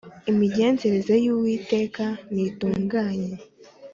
Imigenzereze y’Uwiteka ntitunganye